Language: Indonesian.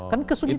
kan kesulitan itu